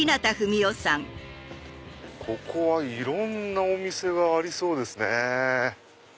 ここはいろんなお店がありそうですね。